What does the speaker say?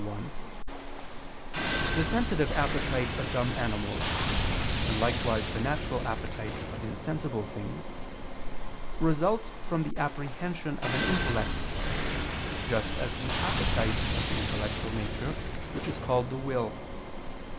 1), the sensitive appetite of dumb animals, and likewise the natural appetite of insensible things, result from the apprehension of an intellect, just as the appetite of the intellectual nature, which is called the will.